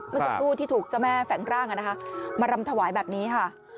เมื่อสักครู่ที่ถูกเจ้าแม่แฝงร่างมารำถวายแบบนี้ค่ะ